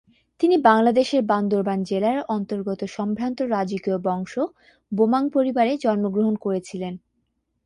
তিনি বাংলাদেশের বান্দরবান জেলার অন্তর্গত সম্ভ্রান্ত রাজকীয় বংশ বোমাং পরিবারে জন্মগ্রহণ করেছিলেন।